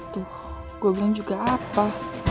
tuh gue bilang juga apa